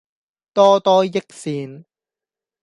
多多益善